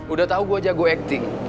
udah tau gue jago acting